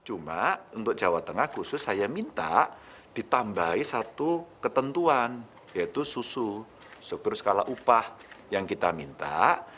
cuma untuk jawa tengah khusus saya minta ditambahi satu ketentuan yaitu susu struktur skala upah yang kita minta